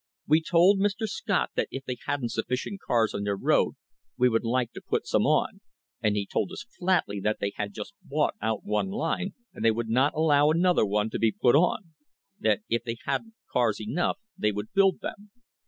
We told Mr. Scott that if they hadn't sufficient cars on their road we would like to put some on, and he told us flatly that they had just bought out one line and they would not allow another one to be put on; that if they hadn't cars enough they would build them.